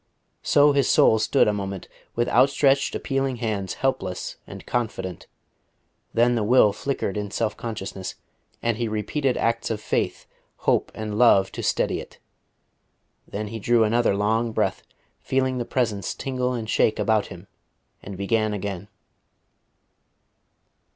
So his soul stood a moment, with outstretched appealing hands, helpless and confident. Then the will flickered in self consciousness, and he repeated acts of faith, hope and love to steady it. Then he drew another long breath, feeling the Presence tingle and shake about him, and began again.